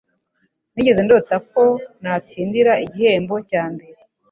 Sinigeze ndota ko natsindira igihembo cya mbere.